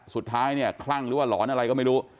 สุดท้ายเนี่ยคลั่งหรือว่าหลอนอะไรก็ไม่รู้